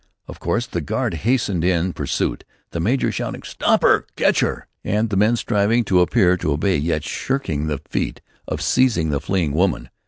Of course the guard hastened in pursuit, the major shouting "Stop her! Catch her!" and the men striving to appear to obey, yet shirking the feat of seizing the fleeing woman.